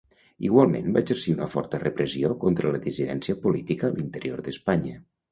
Igualment, va exercir una forta repressió contra la dissidència política a l'interior d'Espanya.